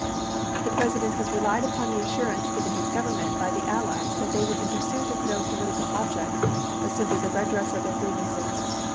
The President has relied upon the assurance given his Government by the allies that they were in pursuit of no political object, but simply the redress of their grievances.